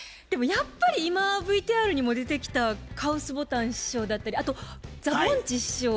でもやっぱり今ＶＴＲにも出てきたカウス・ボタン師匠だったりあとザ・ぼんち師匠